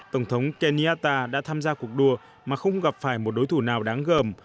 tổng thống kenyatta đã tham gia cuộc đua mà không gặp phải một đối thủ nào đáng gồm